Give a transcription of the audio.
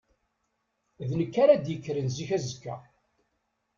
D nekk ara d-yekkren zik azekka.